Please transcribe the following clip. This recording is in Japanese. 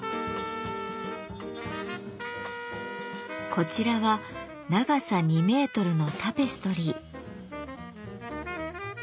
こちらは長さ２メートルのタペストリー。